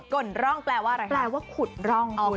่นร่องแปลว่าอะไรแปลว่าขุดร่อง